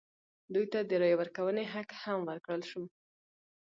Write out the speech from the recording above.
دوی ته د رایې ورکونې حق هم ورکړل شو.